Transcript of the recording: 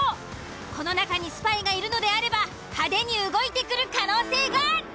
この中にスパイがいるのであれば派手に動いてくる可能性が。